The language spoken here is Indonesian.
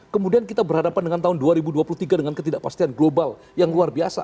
kemudian kita berhadapan dengan tahun dua ribu dua puluh tiga dengan ketidakpastian global yang luar biasa